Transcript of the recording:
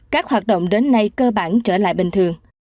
các hoạt động đến nay cơ bản trở lại bình thường